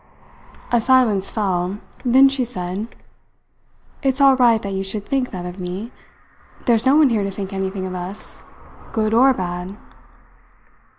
A silence fell. Then she said: "It's all right that you should think that of me. There's no one here to think anything of us, good or bad."